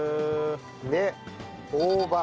で大葉。